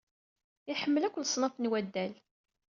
Iḥemmel akk leṣnaf n waddal.